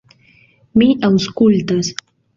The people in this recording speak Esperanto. Mi aŭskultas.